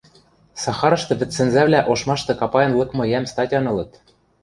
Сахарышты вӹдсӹнзӓвлӓ ошмашты капаен лыкмы йӓм статян ылыт.